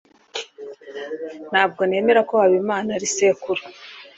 Ntabwo nemera ko Habimana ari sekuru.